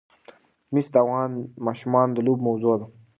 مس د افغان ماشومانو د لوبو موضوع ده.